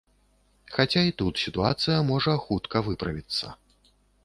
Хаця і тут сітуацыя можа хутка выправіцца.